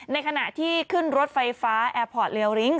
ในขณะที่ขึ้นรถไฟฟ้าแอร์พอร์ตเรียลิ้ง